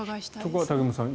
そこは武隈さん